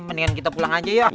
mendingan kita pulang aja ya